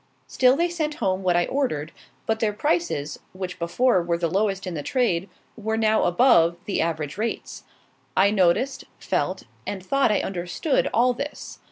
Still they sent home what I ordered; but their prices, which before were the lowest in the trade, were now above the average rates. I noticed, felt, and thought I understood all this.